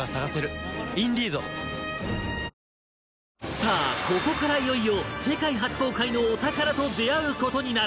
さあここからいよいよ世界初公開のお宝と出会う事になる